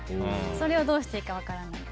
それをどうしていいか分からない。